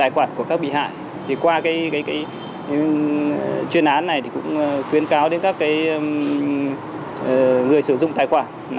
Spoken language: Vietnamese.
tài khoản của các bị hại thì qua chuyên án này thì cũng khuyến cáo đến các người sử dụng tài khoản